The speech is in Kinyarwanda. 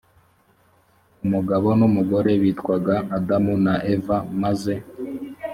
umugabo n umugore bitwaga adamu na eva maze